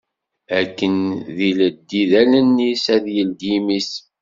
Akken d-ileddi allen-is, ad yeldi imi-s